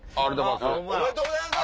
おめでとうございます！